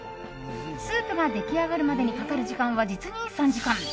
スープができるまでにかかる時間は実に３時間。